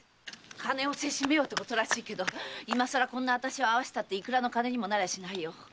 金をせしめようってことらしいけど今さらこんなあたしを会わせたっていくらの金にもなりゃしないよ。